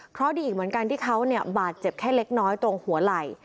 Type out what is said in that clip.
เพราะดีอีกเหมือนกันที่เขาบาดเจ็บแค่เล็กน้อยตรงหัวไหล่